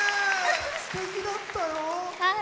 すてきだったよ。